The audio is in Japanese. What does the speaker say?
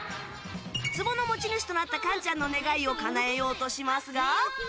壺の持ち主となったカンちゃんの願いをかなえようとしますが。